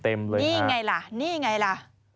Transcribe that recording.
เต็มเลยค่ะนี่ไงล่ะนี่ไงล่ะ